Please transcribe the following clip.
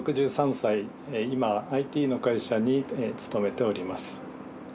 今はＩＴの会社に勤めております。